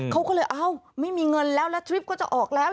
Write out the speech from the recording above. เขาก็เลยเอ้าไม่มีเงินแล้วแล้วทริปก็จะออกแล้ว